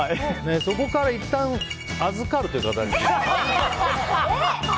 そこからいったん預かるという形に。